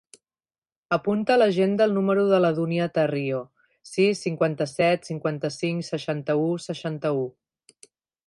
Apunta a l'agenda el número de la Dúnia Tarrio: sis, cinquanta-set, cinquanta-cinc, seixanta-u, seixanta-u.